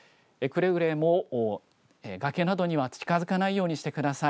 くれぐれも崖などには近づかないようにしてください。